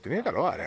あれ。